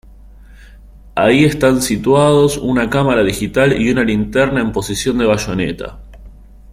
Ahí están situados una cámara digital y una linterna en posición de bayoneta.